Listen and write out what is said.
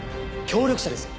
協力者ですよ。